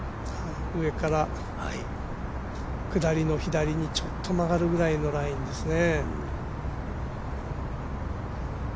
上から下りの左にちょっと曲がるぐらいのラインですね。